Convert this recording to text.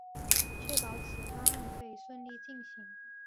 确保此专案可以顺利进行